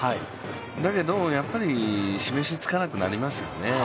だけど、示し、つかなくなりますよね。